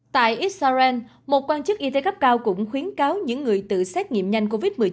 tại israel một quan chức y tế cấp cao cũng khuyến cáo những người tự xét nghiệm nhanh covid một mươi chín